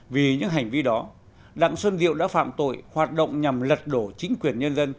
vì những hành vi đó đặng xuân diệu đã phạm tội hoạt động nhằm lật đổ chính quyền nhân dân